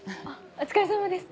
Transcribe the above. お疲れさまです。